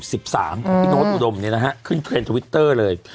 พี่โน๊ตอุดมขึ้นเทรนด์ทวิตเตอร์เลย